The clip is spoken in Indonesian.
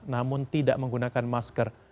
namun tidak menggunakan masker